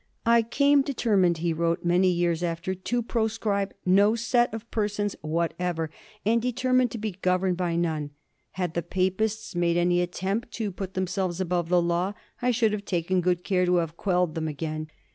"I came determined," he wrote many years after, " to proscribe no set of persons whatever, and de termined to be governed by none. Had the Papists made any attempt to put themselves above the law, I should have taken good care to have quelled them again.